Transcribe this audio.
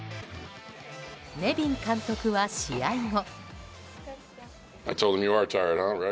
ネビン監督は試合後。